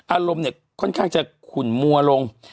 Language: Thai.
อารมณ์เนี่ยค่อนข้างจะขุนมัวลง